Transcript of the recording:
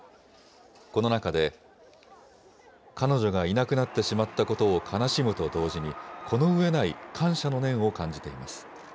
この中で、彼女がいなくなってしまったことを悲しむと同時に、この上ない感謝の念を感じています。